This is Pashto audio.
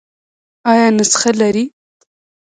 ایا نسخه لرئ؟